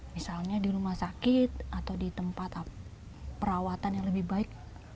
misalnya di rumah sakit atau di tempat perawatan yang lebih baik